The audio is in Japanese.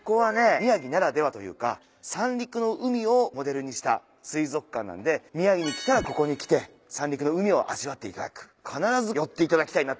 宮城ならではというか三陸の海をモデルにした水族館なので宮城に来たらここに来て三陸の海を味わっていただく必ず寄っていただきたいなねっ。